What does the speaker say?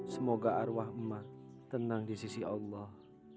semoga arwah emak tenang di sisi allah